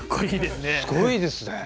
すごいですね。